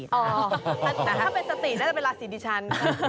แต่ถ้าเป็นสติน่าจะเป็นราศีดิฉัน